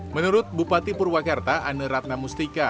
menurut bupati purwakarta ane ratnamustika